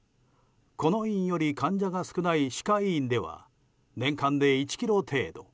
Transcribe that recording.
この医院より患者が少ない歯科医院では年間で１ｋｇ程度。